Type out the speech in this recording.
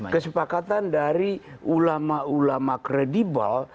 kesepakatan dari ulama ulama kredibel